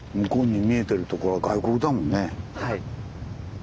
はい。